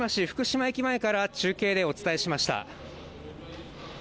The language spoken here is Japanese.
福島駅前から中継でお伝えしました。